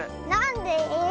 なんで？